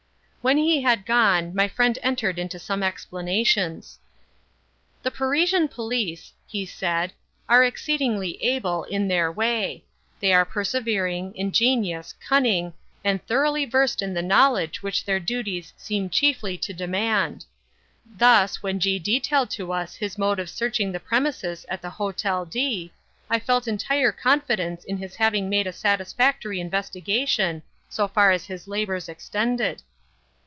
When he had gone, my friend entered into some explanations. "The Parisian police," he said, "are exceedingly able in their way. They are persevering, ingenious, cunning, and thoroughly versed in the knowledge which their duties seem chiefly to demand. Thus, when G—— detailed to us his mode of searching the premises at the Hotel D——, I felt entire confidence in his having made a satisfactory investigation—so far as his labors extended."